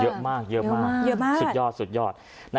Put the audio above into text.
เยอะมากสุดยอด